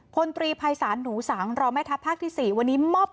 พลตรีภัยศาลหนูสังรองแม่ทัพภาคที่๔วันนี้มอบ